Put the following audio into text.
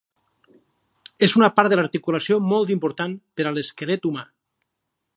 És una part de l'articulació molt important per a l'esquelet humà.